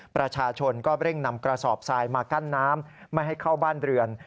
ประชาชนก็เร่งนำกระสอบทรายมากั้นน้ำไม่ให้เข้าบ้านเรือน